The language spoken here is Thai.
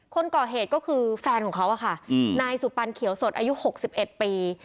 คนก่อเหตุก็คือแฟนของเขาค่ะนายสุปันเขียวสดอายุ๖๑ปี